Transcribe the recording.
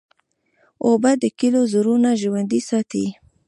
اوبه د کلیو زړونه ژوندی ساتي.